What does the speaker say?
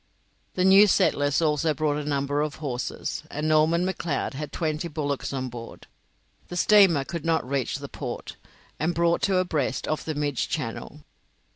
The new settlers also brought a number of horses, and Norman McLeod had twenty bullocks on board. The steamer could not reach the port, and brought to abreast of the Midge Channel.